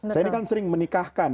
saya ini kan sering menikahkan